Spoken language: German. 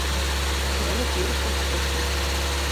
Rainer Kehl ist Ortsvorsteher.